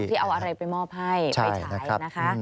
ที่เอาอะไรไปมอบให้ไปฉายนะคะ